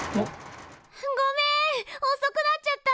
ごめんおそくなっちゃった。